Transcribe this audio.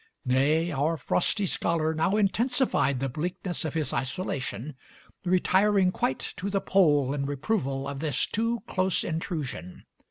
Nay, our frosty scholar now intensified the bleakness of his isolation, retiring quite to the pole in reproval of this too close intru sion.